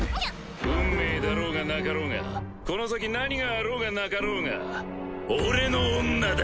運命だろうがなかろうがこの先何があろうがなかろうが俺の女だ！